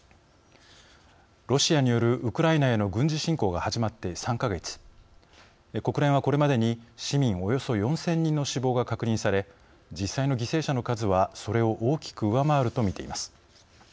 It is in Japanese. ロシアによる、ウクライナへの軍事侵攻が始まって３か月国連は、これまでに市民およそ４０００人の死亡が確認され、実際の犠牲者の数はそれを大きく上回ると見ています。